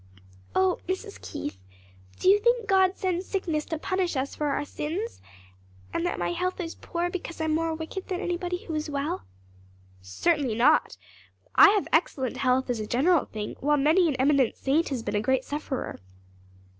"Oh, Mrs. Keith, do you think God sends sickness to punish us for our sins? and that my health is poor because I'm more wicked than anybody who is well?" "Certainly not. I have excellent health as a general thing, while many an eminent saint has been a great sufferer.